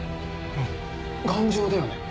うん頑丈だよね。